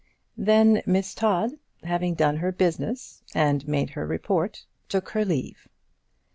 Then Miss Todd, having done her business and made her report, took her leave.